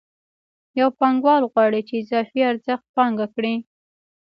یو پانګوال غواړي چې اضافي ارزښت پانګه کړي